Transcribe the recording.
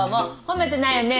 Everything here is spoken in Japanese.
褒めてないよね。